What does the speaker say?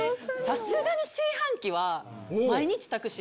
さすがに炊飯器は毎日炊くし。